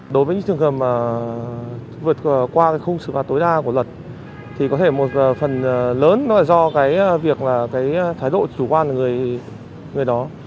đối với những trường hợp mà vượt qua cái khung xử phạt tối đa của luật thì có thể một phần lớn là do cái việc là cái thái độ chủ quan của người đó